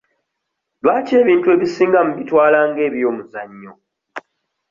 Lwaki ebintu ebisinga mubitwala nga eby'omuzannyo?